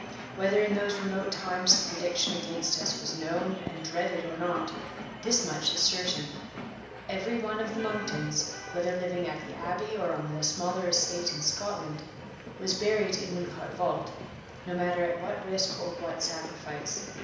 Whether in those remote times the prediction against us was known and dreaded or not, this much is certain: every one of the Monktons (whether living at the Abbey or on the smaller estate in Scotland) was buried in Wincot vault, no matter at what risk or what sacrifice.